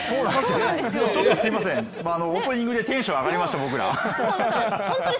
ちょっとすいません、オープニングでテンション上がりました、僕ら。